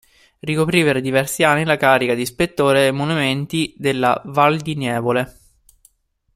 Ricoprì per diversi anni la carica di Ispettore ai Monumenti della Valdinievole.